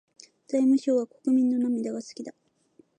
財務省は国民の涙が好きだ。